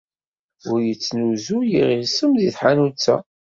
Ur yettnuzu yiɣisem deg tḥanut-a.